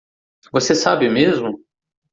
Você sabe mesmo?